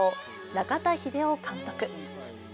中田秀夫監督。